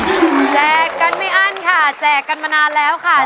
แจกกันไม่อั้นค่ะแจกกันมานานแล้วค่ะ